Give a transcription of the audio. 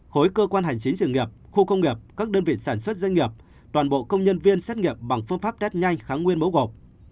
khối cơ quan hành chính sự nghiệp khu công nghiệp các đơn vị sản xuất doanh nghiệp toàn bộ công nhân viên xét nghiệm bằng phương pháp test nhanh kháng nguyên mẫu gộp